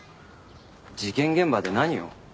事件現場で何を？